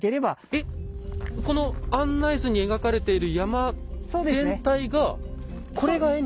えこの案内図に描かれている山全体がこれが延暦寺なんですか？